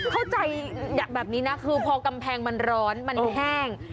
เข้าใจแบบนี้นะคือพอกำแพงมันร้อนมันแห้ง